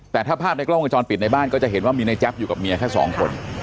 แต่ถ้าภาพในกล้องวงจรปิดในบ้านก็จะเห็นว่ามีในแจ๊บอยู่กับเมียแค่สองคน